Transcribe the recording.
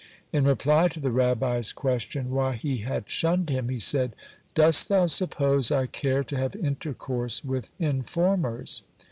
In reply to the Rabbi's question, why he had shunned him, he said: "Dost thou suppose I care to have intercourse with informers?"